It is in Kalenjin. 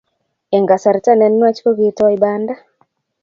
Eng kasarta ne nwach kokitoi banda